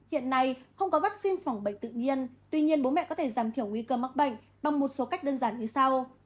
hiện nay không có vaccine phòng bệnh tự nhiên tuy nhiên bố mẹ có thể giảm thiểu nguy cơ mắc bệnh bằng một số cách đơn giản như sau